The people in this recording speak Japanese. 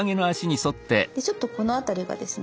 でちょっとこの辺りがですね